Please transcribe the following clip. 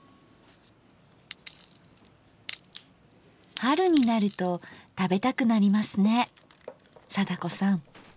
春になると食べたくなりますね貞子さん。